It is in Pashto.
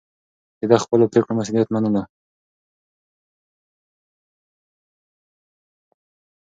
ده د خپلو پرېکړو مسووليت منلو.